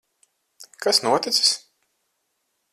Kas noticis?